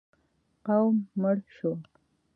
قوم مړ شو.